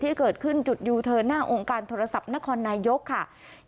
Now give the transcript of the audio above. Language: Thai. ที่เกิดขึ้นจุดอยู่เทอร์หน้าองค์การโทรศัพท์สำนักข้อนายยกเป็นผู้เสียชีวิต๑ศพ